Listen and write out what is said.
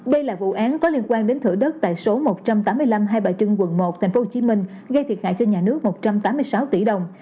đây là vụ án có liên quan đến thửa đất tại số một trăm tám mươi năm hai bà trưng quận một tp hcm gây thiệt hại cho nhà nước một trăm tám mươi sáu tỷ đồng